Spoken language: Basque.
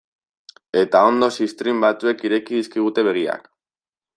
Eta onddo ziztrin batzuek ireki dizkigute begiak.